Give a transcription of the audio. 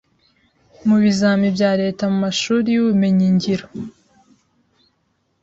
mu bizamini bya Leta mu mashuri y’ubumenyingiro.